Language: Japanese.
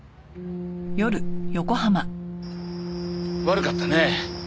悪かったね。